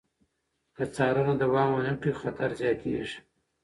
که څارنه دوام ونه کړي، خطر زیاتېږي.